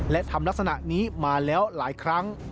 และทำลักษณะนี้มาแล้วหลายครั้ง